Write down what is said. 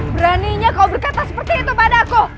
beraninya kau berkata seperti itu pada aku